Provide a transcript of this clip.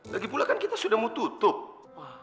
lagipula kan kita sudah mau tutup